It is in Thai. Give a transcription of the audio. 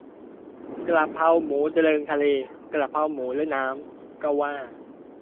กระเพราหมูเริงทะเล กระเพราหมูเล่นน้ำ ก็ว่า